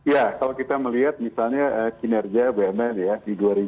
ya kalau kita melihat misalnya kinerja bumn di dua ribu sembilan belas